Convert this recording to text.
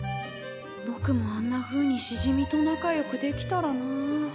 ぼくもあんなふうにしじみと仲よくできたらなあ。